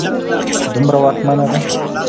دومره واکمنه ده